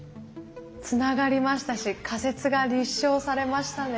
つながりましたし仮説が立証されましたね。